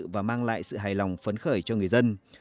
và mang lại sự hài lòng phấn khởi cho người dân